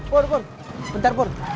pur pur sebentar pur